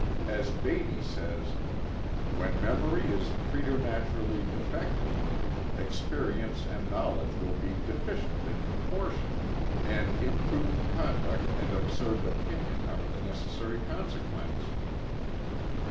As Beattie says: "When memory is preternaturally defective, experience and knowledge will be deficient in proportion, and imprudent conduct and absurd opinion are the necessary consequence."